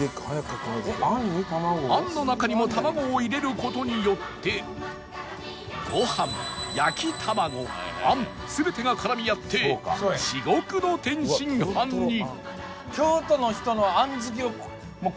あんの中にも卵を入れる事によってご飯焼き卵あん全てが絡み合って至極の天津飯に！